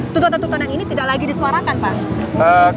tuntutan tuntutan ini tidak lagi disuarakan pak